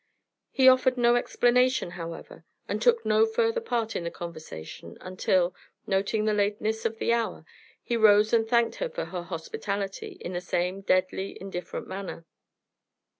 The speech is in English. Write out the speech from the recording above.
He offered no explanation, however, and took no further part in the conversation until, noting the lateness of the hour, he rose and thanked her for her hospitality in the same deadly indifferent manner.